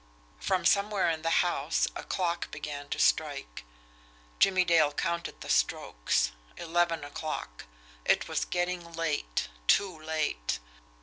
From somewhere in the house, a clock began to strike. Jimmie Dale counted the strokes. Eleven o'clock. It was getting late TOO late!